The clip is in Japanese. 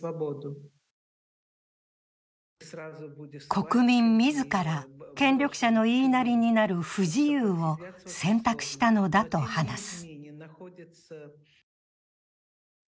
国民自ら、権力者の言いなりになる不自由を選択したのだと話す。